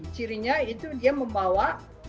cirinya itu dia membawa